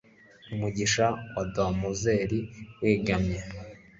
Umugisha wa damozel wegamye